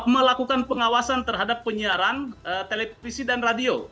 melakukan pengawasan terhadap penyiaran televisi dan radio